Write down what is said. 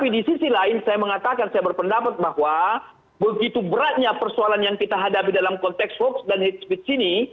di sisi lain saya mengatakan saya berpendapat bahwa begitu beratnya persoalan yang kita hadapi dalam konteks hoax dan hate speech ini